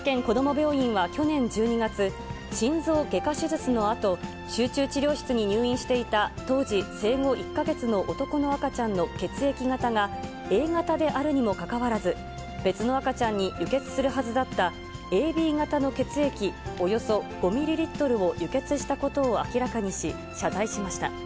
病院は、去年１２月、心臓外科手術のあと、集中治療室に入院していた当時生後１か月の男の赤ちゃんの血液型がＡ型であるにもかかわらず、別の赤ちゃんに輸血するはずだったＡＢ型の血液およそ５ミリリットルを輸血したことを明らかにし、謝罪しました。